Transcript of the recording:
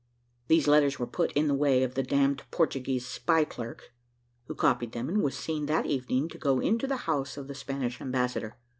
These letters were put in the way of the damned Portuguese spy clerk, who copied them, and was seen that evening to go into the house of the Spanish ambassador.